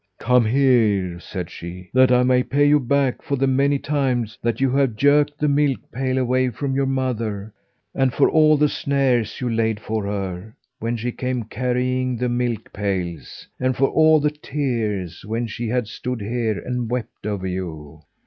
"Come here!" said she, "that I may pay you back for the many times that you have jerked the milk pail away from your mother; and for all the snares you laid for her, when she came carrying the milk pails; and for all the tears when she has stood here and wept over you!"